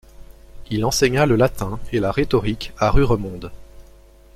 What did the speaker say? Il enseigna le latin et la rhétorique à Ruremonde.